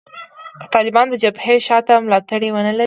که طالبان د جبهې شا ته ملاتړي ونه لري